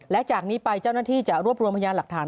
และจากนี้ไปเจ้าหน้าที่จะรวบรวมพยานหลักฐาน